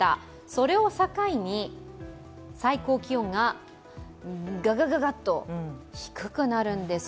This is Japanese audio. それを境に、最高気温がグッと低くなるんです。